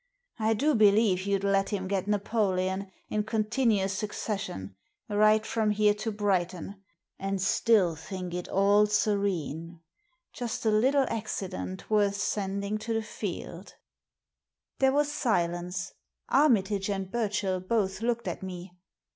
I do believe you'd let him get Napoleon in continuous succession, right from here to Brighton, and still think it all serene— just a little accident worth sending to the Field'* There was silence. Armitage and Burchell both looked at me.